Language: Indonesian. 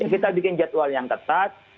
kita bikin jadwal yang ketat